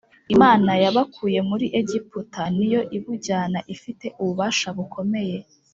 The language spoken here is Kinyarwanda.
Imana yabukuye muri Egiputa ni yo ibujyana ifite ububasha bukomeye